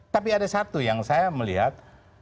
tapi ada satu yang saya melihat